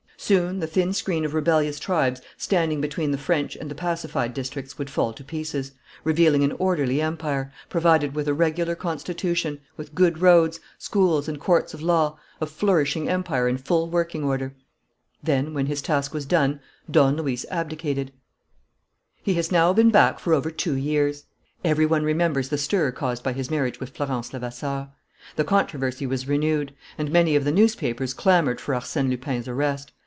Soon the thin screen of rebellious tribes standing between the French and the pacified districts would fall to pieces, revealing an orderly empire, provided with a regular constitution, with good roads, schools, and courts of law, a flourishing empire in full working order. Then, when his task was done, Don Luis abdicated. He has now been back for over two years. Every one remembers the stir caused by his marriage with Florence Levasseur. The controversy was renewed; and many of the newspapers clamoured for Arsène Lupin's arrest.